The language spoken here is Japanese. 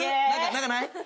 何かない？